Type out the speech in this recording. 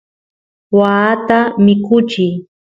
waata mikuchiy